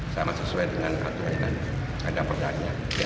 sama sesuai dengan aturan yang ada perdanya